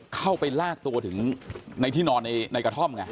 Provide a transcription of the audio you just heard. เข้าไปลากตัวถึงในที่นอนในกระท่อมไง